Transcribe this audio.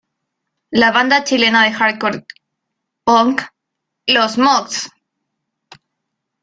La banda chilena de hardcore punk "Los Mox!